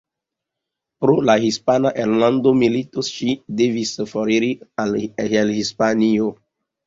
Pro la Hispana Enlanda Milito, ŝi devis foriri el Hispanio.